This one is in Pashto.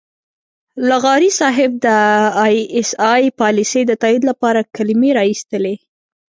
لغاري صاحب د اى ايس اى پالیسۍ د تائید لپاره کلمې را اېستلې.